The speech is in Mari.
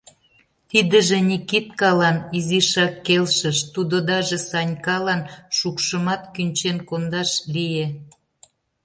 Тидыже Никиткалан изишак келшыш, тудо даже Санькалан шукшымат кӱнчен кондаш лие.